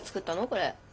これ。